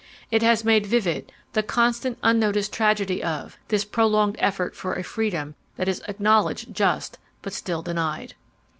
It has made vivid the 'constant unnoticed tragedy of, this prolonged effort for a freedom that is acknowledged just, but still denied.